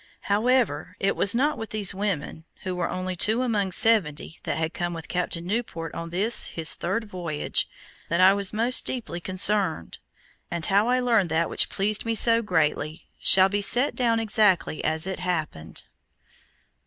However, it was not with these women, who were only two among seventy, that had come with Captain Newport on this his third voyage, that I was most deeply concerned, and how I learned that which pleased me so greatly shall be set down exactly as it happened.